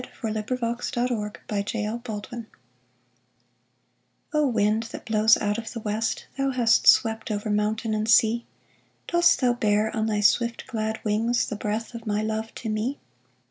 O WIND THAT BLOWS OUT OF THE WEST" O WIND that blows out of the West, Thou hast swept over mountain and sea, Dost thou bear on thy swift, glad wings The breath of my love to me